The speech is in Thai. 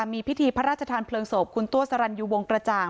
มีพิธีพระราชทานเพลิงศพคุณตัวสรรยูวงกระจ่าง